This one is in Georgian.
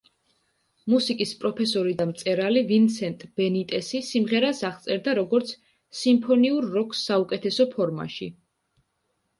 მუსიკის პროფესორი და მწერალი ვინსენტ ბენიტესი სიმღერას აღწერდა, როგორც „სიმფონიურ როკს საუკეთესო ფორმაში“.